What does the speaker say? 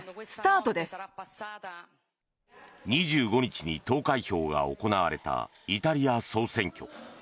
２５日に投開票が行われたイタリア総選挙。